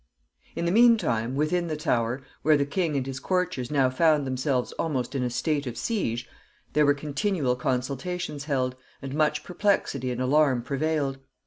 In the mean time, within the Tower, where the king and his courtiers now found themselves almost in a state of siege, there were continual consultations held, and much perplexity and alarm prevailed.